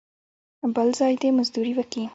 بل ځای دې مزدوري وکي.